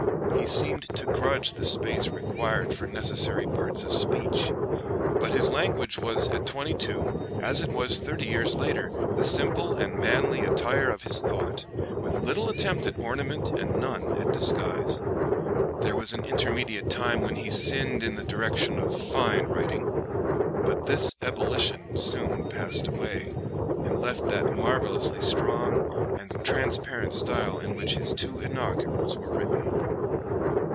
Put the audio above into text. He seemed to grudge the space required for necessary parts of speech. But his language was at twenty two, as it was thirty years later, the simple and manly attire of his thought, with little attempt at ornament and none at disguise. There was an intermediate time when he sinned in the direction of fine writing; but this ebullition soon passed away, and left that marvelously strong and transparent style in which his two inaugurals were written.